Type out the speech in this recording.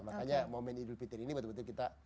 makanya momen idul fitri ini betul betul kita